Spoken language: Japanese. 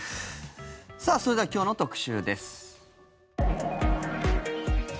それでは今日の特集です。